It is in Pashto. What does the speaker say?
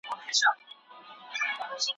سرلوړي یوازي په رښتیني تقوا کي ده.